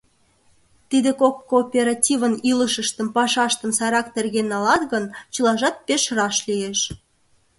Тиде кок кооперативын илышыштым, пашаштым сайрак терген налат гын, чылажат пеш раш лиеш.